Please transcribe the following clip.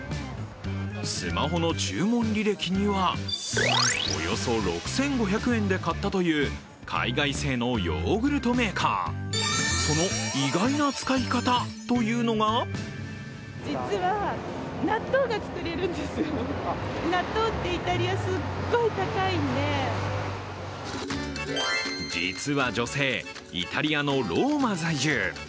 スマホの注文履歴にはおよそ６５００円で買ったという海外製のヨーグルトメーカーその意外な使い方というのが実は女性、イタリアのローマ在住。